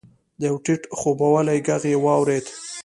يو ټيټ خوبولی ږغ يې واورېد.